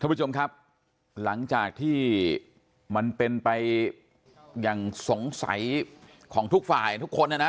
ผู้ชมครับหลังจากที่มันเป็นไปอย่างสงสัยของทุกฝ่ายทุกคนนะนะ